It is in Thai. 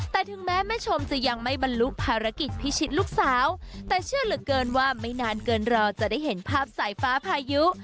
แต่ถึงแม้แม่ชมจะยังไม่บรรลุภารกิจพิชิตลูกสาวแต่เชื่อเหลือเกินว่าไม่นานเกินรอจะได้เห็นภาพสายฟ้าพายุ